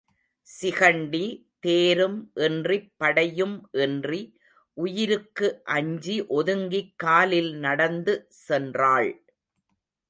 சிகண்டி தேரும் இன்றிப்படையும் இன்றி உயிருக்கு அஞ்சி ஒதுங்கிக் காலில் நடந்து சென்றாள்.